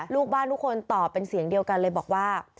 ลูกบ้านทุกคนตอบเป็นเสียงเดียวกันเลยบอกว่า